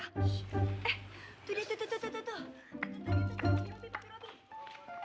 eh tuh dia tuh tuh tuh tuh tuh tuh